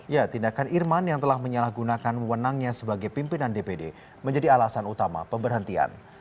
ya tindakan irman yang telah menyalahgunakan mewenangnya sebagai pimpinan dpd menjadi alasan utama pemberhentian